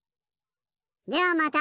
ではまた！